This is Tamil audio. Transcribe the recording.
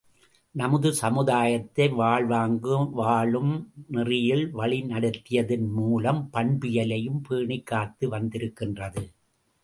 நமது சமுதாயத்தை வாழ்வாங்கு வாழும் நெறியில் வழிநடத்தியதன் மூலம் பண்பியலையும் பேணிக் காத்து வந்திருக்கின்றது.